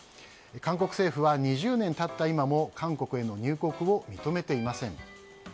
韓国政府は２０年経った今も韓国への入国を認めていません。